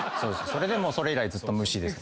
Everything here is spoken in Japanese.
それでそれ以来ずっとむしです。